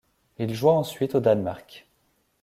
Il joua ensuite au Danemark.